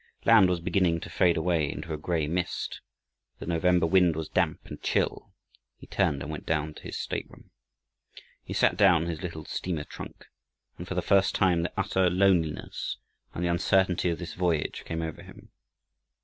Land was beginning to fade away into a gray mist, the November wind was damp and chill, he turned and went down to his stateroom. He sat down on his little steamer trunk, and for the first time the utter loneliness and the uncertainty of this voyage came over him.